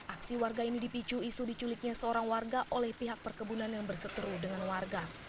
aksi warga ini dipicu isu diculiknya seorang warga oleh pihak perkebunan yang berseteru dengan warga